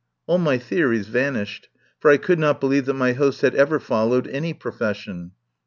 All my theories vanished, for I could not believe that my host had ever followed any profession.